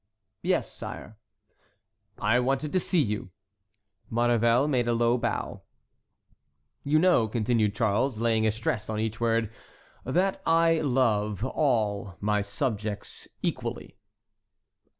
"Yes, sire." "I wanted to see you." Maurevel made a low bow. "You know," continued Charles, laying a stress on each word, "that I love all my subjects equally?"